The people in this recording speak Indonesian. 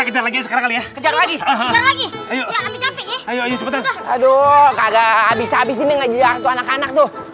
kita lagi sekarang ya kejar lagi kejar lagi aduh kagak bisa abis ini enggak jadi waktu anak anak tuh